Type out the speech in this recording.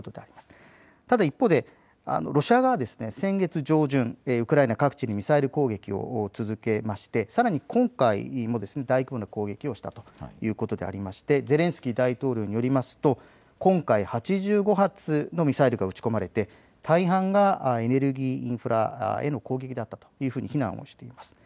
ただ一方でロシア側は先月上旬ウクライナ各地にミサイル攻撃を続けましてさらに今回も大規模な攻撃をしているということもありましてゼレンスキー大統領によりますと今回８５発のミサイルが撃ち込まれて大半がエネルギーインフラへの攻撃だとしています。